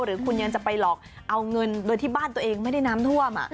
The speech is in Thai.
หรือคุณยังจะไปหลอกเอาเงินโดยที่บ้านตัวเองไม่ได้น้ำท่วม